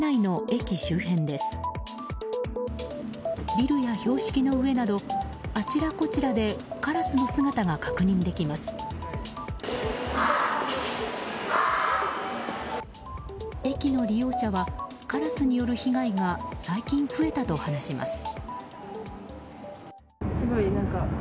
駅の利用者はカラスによる被害が最近増えたと話します。